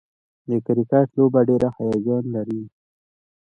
د کرکټ لوبه ډېره هیجان لري.